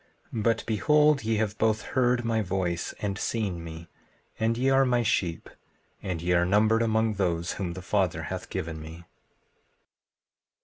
15:24 But behold, ye have both heard my voice, and seen me; and ye are my sheep, and ye are numbered among those whom the Father hath given me.